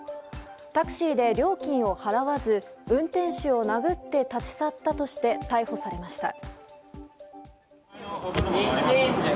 タクシーで料金を払わず運転手を殴って立ち去ったとして逮捕されました。